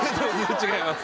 違います。